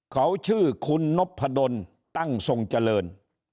เขาชื่อคุณนพดลตั้งทรงเจริญ